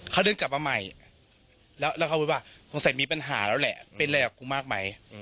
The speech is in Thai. เขาเดินกลับมาใหม่แล้วเขาพูดว่าสงสัยมีปัญหาแล้วแหละเป็นอะไรกับกูมากไหม